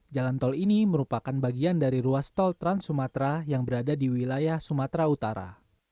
jalan tol ini merupakan bagian dari ruas tol trans sumatera yang berada di wilayah sumatera utara